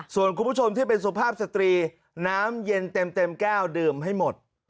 ส่วนคุณผู้ชมที่เป็นสุภาพสตรีน้ำเย็นเต็มแก้วดื่มให้หมด